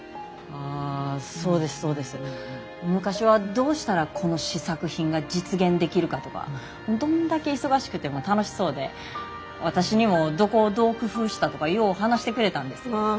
昔はどうしたらこの試作品が実現できるかとかどんだけ忙しくても楽しそうで私にもどこをどう工夫したとかよう話してくれたんです。